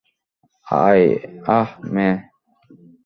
আহ, মেই?